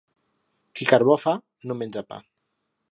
Qui carbó fa, no menja pa.